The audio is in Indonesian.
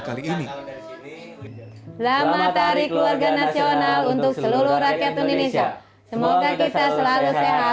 kali ini selamat hari keluarga nasional untuk seluruh rakyat indonesia semoga kita selalu sehat